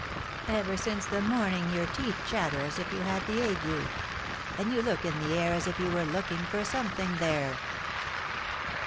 Ever since the morning your teeth chatter as if you had the ague; and you look in the air as if you were looking for something there!"